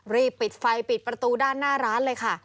รีบปิดไฟปิดประตูด้านหน้าร้านเลยค่ะ